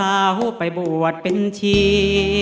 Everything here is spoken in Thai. กลัวเอาไปบวชเป็นชี